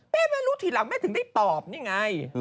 ไม่รู้ทีหลังแม่ถึงได้ตอบนี่ไง